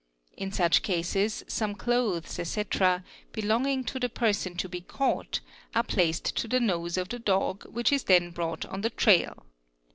In such cases some clothes, etc., belonging to the person to be caught, are 'placed to the nose of the dog which is then brought on the trail.